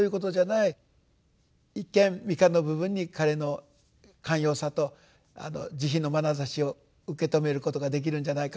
一見未完の部分に彼の寛容さと慈悲のまなざしを受け止めることができるんじゃないか。